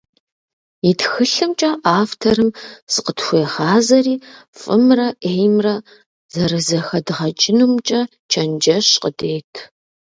И тхылъымкӀэ авторым зыкъытхуегъазэри фӀымрэ Ӏеймрэ зэрызэхэдгъэкӀынумкӀэ чэнджэщ къыдет.